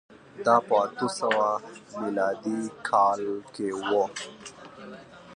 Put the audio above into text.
دا په اتو سوه میلادي کال کې و